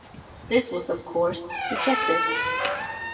This was of course, rejected.